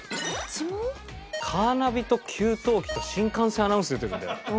カーナビと給湯器と新幹線アナウンス出てるんだよ。